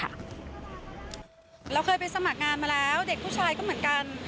เราเคยไปสมัครงานมาแล้วเด็กผู้ชายก็เหมือนกัน